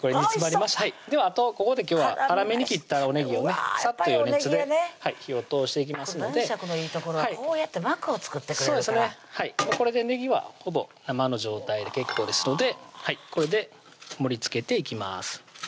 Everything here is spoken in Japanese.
ではあとここで今日は粗めに切ったおねぎをねさっと余熱で火を通していきますので男爵のいいところはこうやって膜を作ってくれるからこれでねぎはほぼ生の状態で結構ですのでこれで盛りつけていきます